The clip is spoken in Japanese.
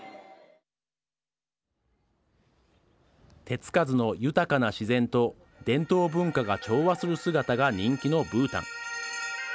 手付かずの豊かな自然と伝統文化が調和する姿が人気のブータン。